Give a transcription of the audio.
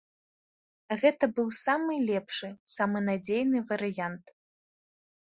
Гэта быў бы самы лепшы, самы надзейны варыянт.